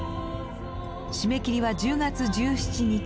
締め切りは１０月１７日。